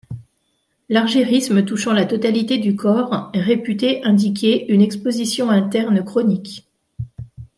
L’argyrisme touchant la totalité du corps est réputé indiquer une exposition interne chronique.